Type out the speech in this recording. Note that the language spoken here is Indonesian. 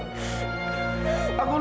sakit dok sakit